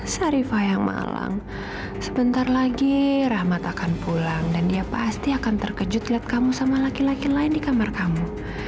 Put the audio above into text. sarifah yang malang sebentar lagi rahmat akan pulang dan dia pasti akan terkejut lihat kamu sama laki laki lain di kamar kamu